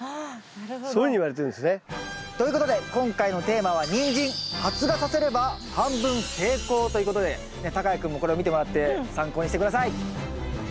そういうふうにいわれてるんですね。ということで今回のテーマはということでたかや君もこれを見てもらって参考にして下さい！